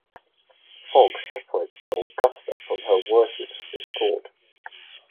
Fog separates the "Augusta" from her warship escort.